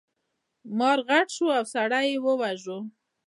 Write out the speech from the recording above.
مار غټ شو او سړی یې وواژه.